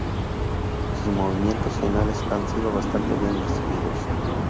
Sus movimientos finales han sido bastante bien recibidos.